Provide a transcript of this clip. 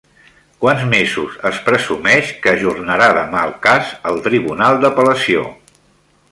Quants mesos es presumeix que ajornarà demà el cas el Tribunal d'Apel·lació?